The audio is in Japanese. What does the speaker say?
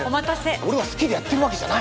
俺は好きでやってるわけじゃない。